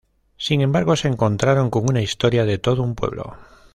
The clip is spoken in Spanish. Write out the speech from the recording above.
Sin embargo, se encontraron con una historia de todo un pueblo.